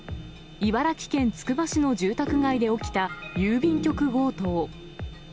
茨城県つくば市の住宅街で起きた郵便局強盗。